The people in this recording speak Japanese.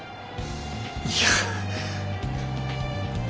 いや。